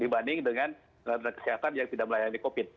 dibanding dengan tenaga kesehatan yang tidak melayani covid